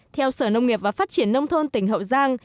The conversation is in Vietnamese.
theo sở nông nghiệp và phát triển nông thôn tỉnh hậu giang